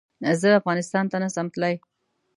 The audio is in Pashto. زه افغانستان ته نه سم تلی